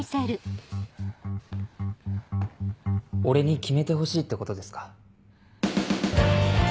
俺に決めてほしいってことですか？